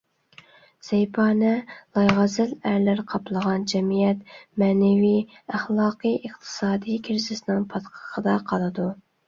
زەيپانە، لايغەزەل ئەرلەر قاپلىغان جەمئىيەت مەنىۋى، ئەخلاقىي، ئىقتىسادىي كرىزىسنىڭ پاتقىقىدا قالىدۇ.